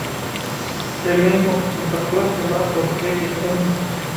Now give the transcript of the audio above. state bank کی مداخلت کے بعد روپے کی قدر مستحکم